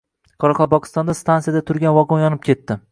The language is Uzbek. Qoraqalpog‘istonda stansiyada turgan vagon yonib ketdi